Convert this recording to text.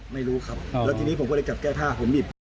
ไม่รู้ครับแล้วทีนี้ผมก็เลยจับแก้ผ้าผมหยิบ